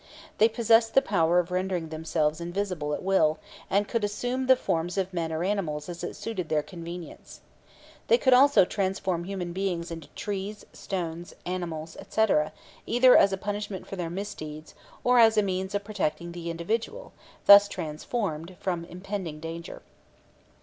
They possessed the power of rendering themselves invisible at will, and could assume the forms of men or animals as it suited their convenience. They could also transform human beings into trees, stones, animals, &c., either as a punishment for their misdeeds, or as a means of protecting the individual, thus transformed, from impending danger.